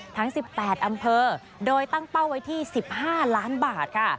ทั้ง๑๘อำเภอโดยตั้งเป้าไว้ที่๑๕ล้านบาทค่ะ